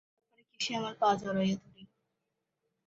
তার পরে কিসে আমার পা জড়াইয়া ধরিল।